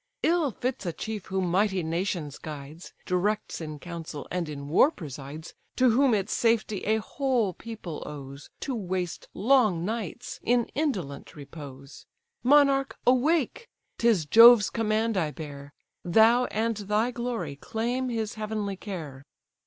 Ill fits a chief who mighty nations guides, Directs in council, and in war presides, To whom its safety a whole people owes, To waste long nights in indolent repose. Monarch, awake! 'tis Jove's command I bear; Thou, and thy glory, claim his heavenly care.